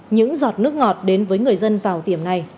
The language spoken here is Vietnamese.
những giọt nước ngọt đến với người dân vào thời điểm này